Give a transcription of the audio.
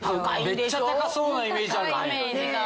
めっちゃ高そうなイメージあるね。